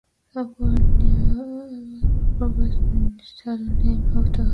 Sappho New Paradigm produce an eyeshadow named after her.